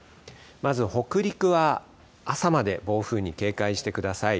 まず北陸は朝まで暴風に警戒してください。